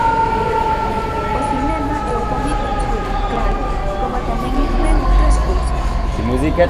O cinema e o cómic inflúen, claro, como tamén inflúen outras cousas.